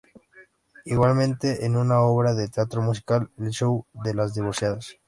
Igualmente en una obra de teatro musical "el show de las divorciadas".